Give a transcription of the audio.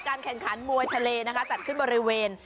แข่งขันมวยทะเลนะคะจัดขึ้นบริเวณ